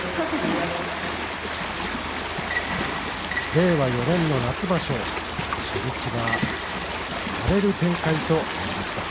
令和４年の夏場所初日は荒れる展開となりました。